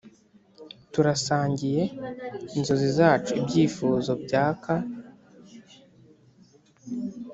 turasangiye inzozi zacu, ibyifuzo byaka,